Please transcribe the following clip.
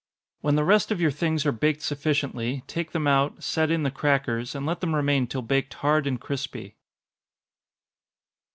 When the rest of your things are baked sufficiently, take them out, set in the crackers, and let them remain till baked hard and crispy.